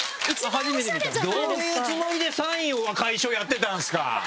どういうつもりでサインを楷書やってたんですか！